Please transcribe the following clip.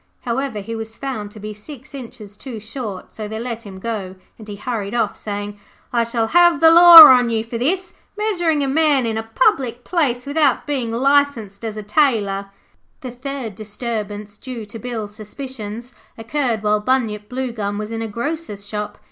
However, he was found to be six inches too short, so they let him go, and he hurried off, saying, 'I shall have the Law on you for this, measuring a man in a public place without being licensed as a tailor.' The third disturbance due to Bill's suspicions occurred while Bunyip Bluegum was in a grocer's shop.